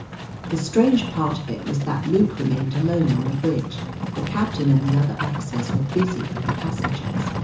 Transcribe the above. The strange part of it was that Luke remained alone on the bridge. The captain and the other officers were busy with the passengers.